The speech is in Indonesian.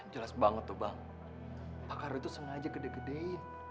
jelas banget tuh bang pakar itu sengaja gede gedein